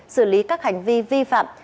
xử lý các hành vi vi phạm